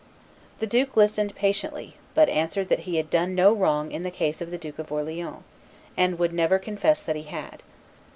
The duke listened patiently, but answered that he had done no wrong in the case of the Duke of Orleans, and would never confess that he had.